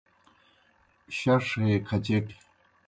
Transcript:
شݜ ہے کھچٹیْ